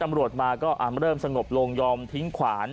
ตำรวจมาก็เริ่มสงบลงยอมทิ้งขวาน